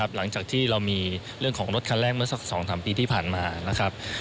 หลังจากที่เรามีเรื่องของรถคันแรกเมื่อสองสามปีที่ผ่านมา